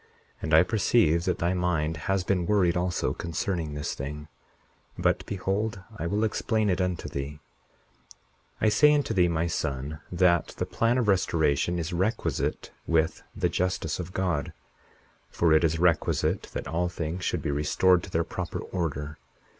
And I perceive that thy mind has been worried also concerning this thing. But behold, I will explain it unto thee. 41:2 I say unto thee, my son, that the plan of restoration is requisite with the justice of God; for it is requisite that all things should be restored to their proper order.